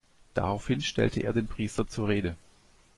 Daraufhin stellte er den Priester zur Rede.